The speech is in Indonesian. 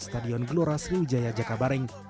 stadion gloral sriwijaya jakabareng